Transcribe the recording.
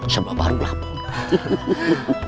sebuah baru lah om